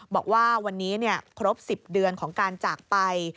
บอกว่าวันนี้ครบ๑๐เดือนของการจากไป